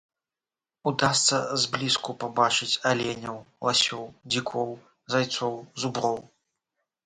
Удасца зблізку пабачыць аленяў, ласёў, дзікоў, зайцоў, зуброў.